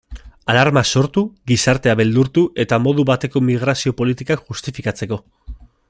Alarma sortu, gizartea beldurtu, eta modu bateko migrazio politikak justifikatzeko.